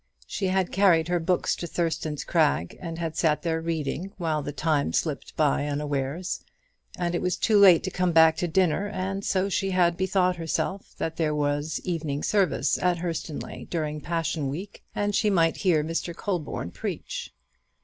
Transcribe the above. She had carried her books to Thurston's Crag, and had sat there reading, while the time slipped by unawares, and it was too late to come back to dinner; and so she had bethought herself that there was evening service at Hurstonleigh during Passion week, and she might hear Mr. Colborne preach.